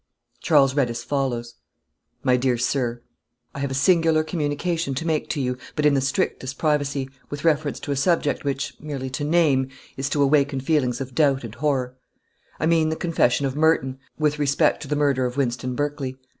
Charles read as follows: "My Dear Sir, "I have a singular communication to make to you, but in the strictest privacy, with reference to a subject which, merely to name, is to awaken feelings of doubt and horror; I mean the confession of Merton, with respect to the murder of Wynston Berkley.